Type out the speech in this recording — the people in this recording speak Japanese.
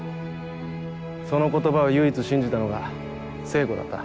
その言葉を唯一信じたのが聖子だった。